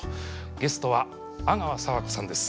ゲストは阿川佐和子さんです。